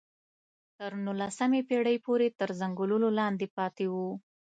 تر نولسمې پېړۍ پورې تر ځنګلونو لاندې پاتې وو.